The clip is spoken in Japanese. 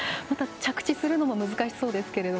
着地するのも難しそうですが。